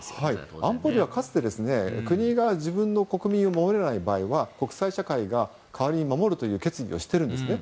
安保理はかつて国が自分の国民を守れない場合は、国際社会が代わりに守るという決議をしてるんですね。